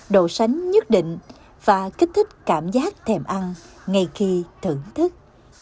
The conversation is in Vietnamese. độ sánh nhất định và kích thích cảm giác thèm ăn ngay khi thưởng thức